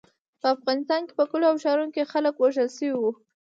په افغانستان کې په کلیو او ښارونو کې خلک وژل شوي وو.